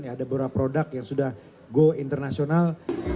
ada beberapa produk yang sudah go internasional